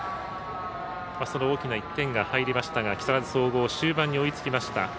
その大きな１点が入りましたが、木更津総合終盤に追いつきました。